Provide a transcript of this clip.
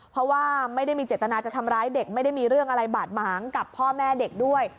เพราะว่าไม่ได้มีเจตนาจะทำร้ายเด็กไม่ได้มีเรื่องอะไรบาดหมางกับพ่อแม่เด็กด้วย